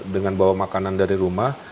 dengan bawa makanan dari rumah